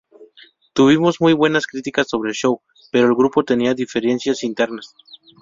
Tuvimos muy buenas críticas sobre el show; pero el grupo tenía diferencias internas.